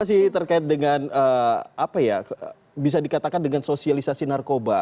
masih terkait dengan apa ya bisa dikatakan dengan sosialisasi narkoba